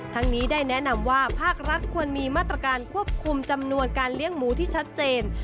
นี้ได้แนะนำว่าภาครัฐควรมีมาตรการควบคุมจำนวนการเลี้ยงหมูที่ชัดเจน